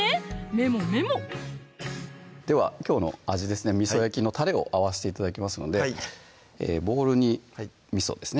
メモメモではきょうの味ですね「味焼き」のたれを合わせて頂きますのでボウルにみそですね